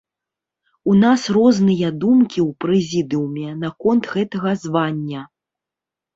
У нас розныя думкі ў прэзідыуме наконт гэтага звання.